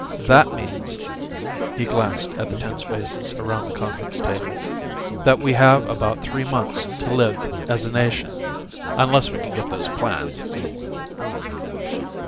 That means" he glanced at the tense faces around the conference table "that we have about three months to live as a nation unless we can get those plans!"